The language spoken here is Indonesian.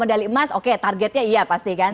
medali emas oke targetnya iya pasti kan